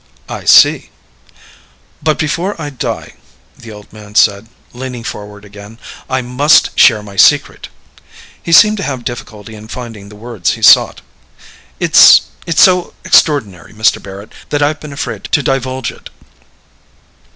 "I see." "But, before I die," the old man said, leaning forward again, "I must share my secret." He seemed to have difficulty in finding the words he sought. "It's ... it's so extraordinary, Mr. Barrett, that I've been afraid to divulge it."